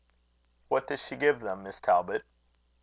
"What does she give them, Miss Talbot?"